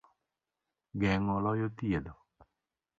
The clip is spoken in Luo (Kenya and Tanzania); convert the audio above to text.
Geng'o loyo thietho.